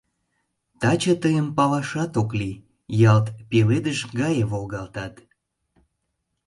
Таче тыйым палашат ок лий — ялт пеледыш гае волгалтат.